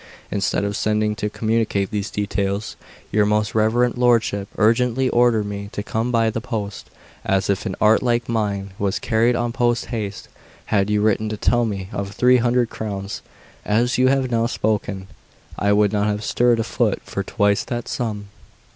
Instead of sending to communicate these details, your most reverend lordship urgently ordered me to come by the post, as if an art like mine was carried on post haste. Had you written to tell me of three hundred crowns, as you have now spoken, I would not have stirred a foot for twice that sum.